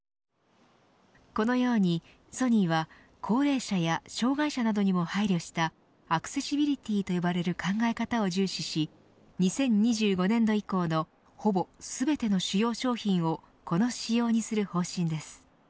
このようにソニーは高齢者や障害者などにも配慮したアクセシビリティと呼ばれる考え方を重視し２０２５年度以降のほぼ全ての主要商品をこの仕様にする方針です。